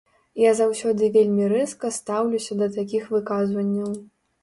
Я заўсёды вельмі рэзка стаўлюся да такіх выказванняў.